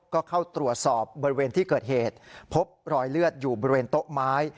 ก็เข้าตรวจสอบบริเวณที่เกิดเหตุพบรอยเลือดอยู่บริเวณโต๊ะไม้